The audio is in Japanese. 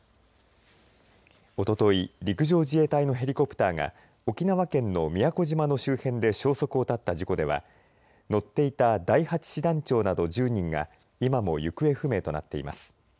おととい、陸上自衛隊のヘリコプターが沖縄県の宮古島の周辺で消息を絶った事故では乗っていた第８師団長など１０人が今も行方不明となっています。